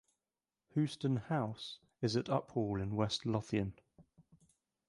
Houston House is at Uphall in West Lothian.